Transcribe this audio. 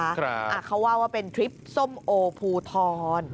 เขาว่าว่าเป็นทริปส้มโอภูทร